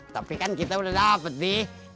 tapi kan kita udah dapat di